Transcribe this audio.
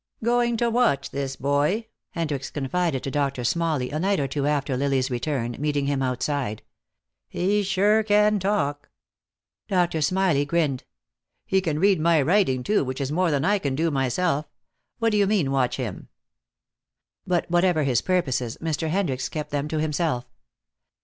"Going to watch this boy," Hendricks confided to Doctor Smalley a night or two after Lily's return, meeting him outside. "He sure can talk." Doctor Smalley grinned. "He can read my writing, too, which is more than I can do myself. What do you mean, watch him?" But whatever his purposes Mr. Hendricks kept them to himself.